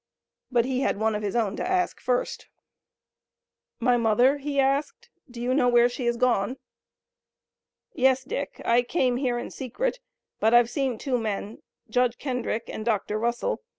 But he had one of his own to ask first. "My mother?" he asked. "Do you know where she has gone?" "Yes, Dick, I came here in secret, but I've seen two men, Judge Kendrick and Dr. Russell.